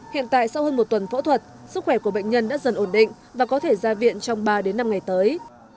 hiện tại sau hơn một tuần phẫu thuật sức khỏe của bệnh nhân đã dần ổn định và có thể ra viện trong ba năm ngày tới